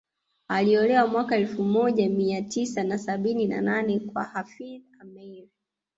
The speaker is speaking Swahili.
Aliolewa mwaka wa elfu moja Mia tisa na sabini na nane kwa Hafidh Ameir